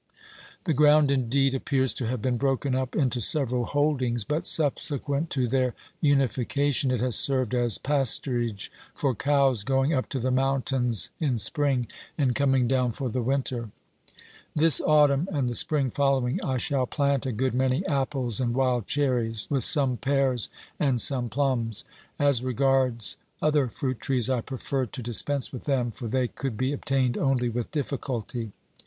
The ground indeed appears to have been broken up into several holdings, but subsequent to their unification it has served as pasturage for cows going up to the mountains in spring and coming down for the winter. This autumn and the spring following I shall plant a good many apples and wild cherries, with some pears and some plums. As regards other fruit trees, I prefer to dis pense with them, for they could be obtained only with difficulty.